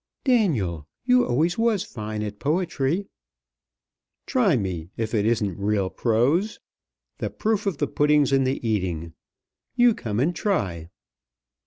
"Daniel, you was always fine at poetry." "Try me, if it isn't real prose. The proof of the pudding's in the eating. You come and try."